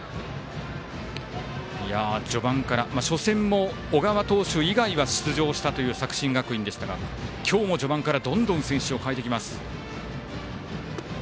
序盤から初戦も小川投手以外は出場したという作新学院でしたが今日も序盤からどんどん選手を変えてきます。